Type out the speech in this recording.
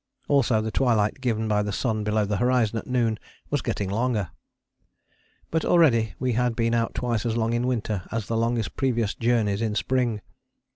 Also the twilight given by the sun below the horizon at noon was getting longer. But already we had been out twice as long in winter as the longest previous journeys in spring.